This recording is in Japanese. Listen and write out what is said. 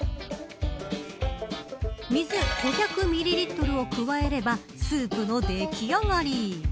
水５００ミリリットルを加えればスープの出来上がり。